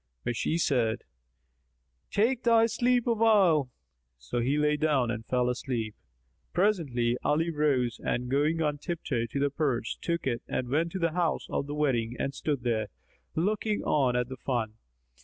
But she said, "Take thy sleep awhile." So he lay down and fell asleep. Presently, Ali rose and going on tiptoe to the purse, took it and went to the house of the wedding and stood there, looking on at the fun.